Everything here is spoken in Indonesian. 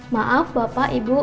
maaf bapak ibu